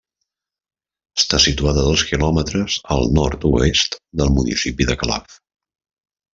Està situat a dos quilòmetres al nord-oest del municipi de Calaf.